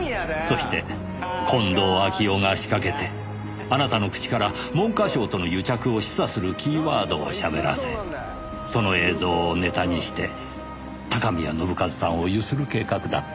そして近藤秋夫が仕掛けてあなたの口から文科省との癒着を示唆するキーワードをしゃべらせその映像をネタにして高宮信一さんを強請る計画だった。